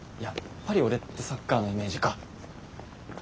やっぱり俺ってサッカーのイメージか。